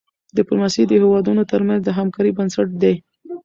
ډيپلوماسي د هېوادونو ترمنځ د همکاری بنسټ دی.